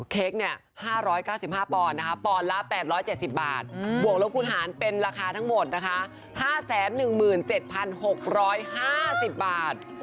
เค้ก๕๙๕ปอนปอนละ๘๗๐บาทบวกแล้วคุณหารเป็นราคาทั้งหมด๕๑๗๖๕๐บาท